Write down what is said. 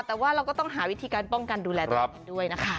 แต่ว่าเราก็ต้องหาวิธีการป้องกันดูแลตัวเองด้วยนะคะ